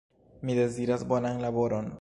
Mi deziras bonan laboron